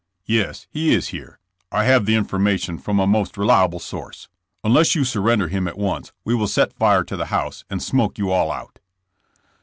Yes, he is here. I have the information from a most reliable source. Unless you surrender him at once we will set fire to the house and smoke you all out."